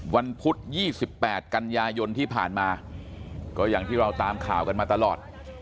พุธ๒๘กันยายนที่ผ่านมาก็อย่างที่เราตามข่าวกันมาตลอด